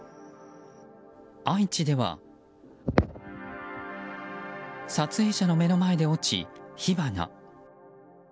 愛知では撮影者の目の前で落ち、火花。